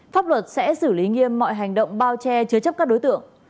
pháp luật sẽ xử lý nghiêm mọi hành động bao che chứa chấp các đối tượng